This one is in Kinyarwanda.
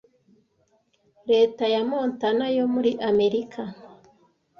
leta ya Montana yo muri Amerika